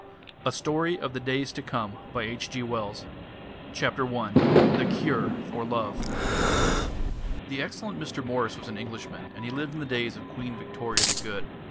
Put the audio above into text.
A Story of the Days to Come A STORY OF THE DAYS TO COME I THE CURE FOR LOVE The excellent Mr. Morris was an Englishman, and he lived in the days of Queen Victoria the Good.